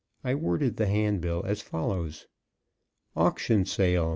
I worded the hand bill as follows: AUCTION SALE.